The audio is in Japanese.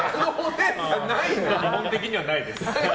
基本的にはないです。